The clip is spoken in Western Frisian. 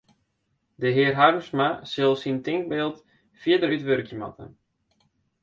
De hear Harmsma sil syn tinkbyld fierder útwurkje moatte.